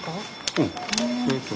うん。